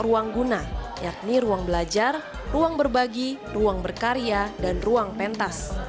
ruang guna yakni ruang belajar ruang berbagi ruang berkarya dan ruang pentas